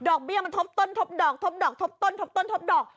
เบี้ยมันทบต้นทบดอกทบดอกทบต้นทบต้นทบดอก